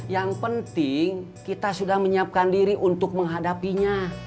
yang penting kita sudah menyiapkan diri untuk menghadapinya